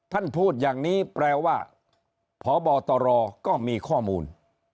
พูดอย่างนี้แปลว่าพบตรก็มีข้อมูล